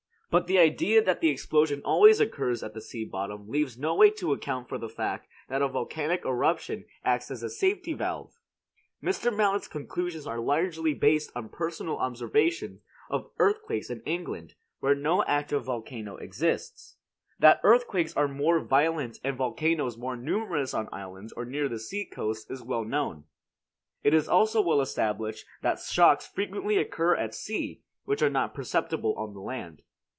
But the idea that the explosion always occurs at the sea bottom leaves no way to account for the fact that a volcanic eruption acts as a safety valve. Mr. Mallet's conclusions are largely based on personal observations of earthquakes in England, where no active volcano exists. That earthquakes are more violent and volcanoes more numerous on islands or near the sea coast is well known. It is also well established that shocks frequently occur at sea, which are not perceptible on the land.